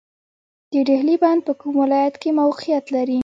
د دهلې بند په کوم ولایت کې موقعیت لري؟